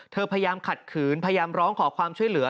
พยายามขัดขืนพยายามร้องขอความช่วยเหลือ